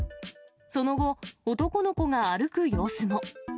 その後、男の子が歩く様子も。